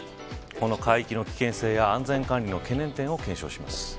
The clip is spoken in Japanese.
この海域の危険性や安全管理の懸念点を検証します